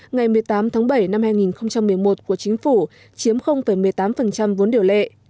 ngày một mươi tám tháng bảy năm hai nghìn một mươi một của chính phủ chiếm một mươi tám vốn điều lệ